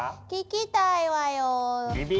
聞きたいわよ。